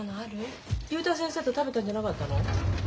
竜太先生と食べたんじゃなかったの？